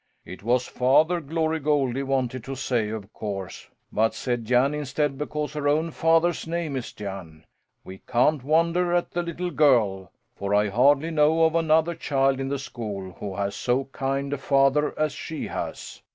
"It was Father Glory Goldie wanted to say, of course, but said Jan instead because her own father's name is Jan. We can't wonder at the little girl, for I hardly know of another child in the school who has so kind a father as she has.